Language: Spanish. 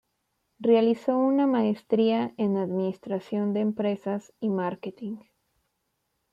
Realizó una maestría en Administración de Empresas y Marketing.